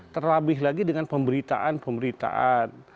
terlebih lagi dengan pemberitaan pemberitaan